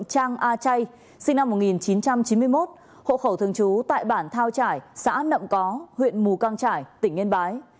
trang a chay sinh năm một nghìn chín trăm chín mươi một hộ khẩu thường trú tại bản thao trải xã nậm có huyện mù căng trải tỉnh yên bái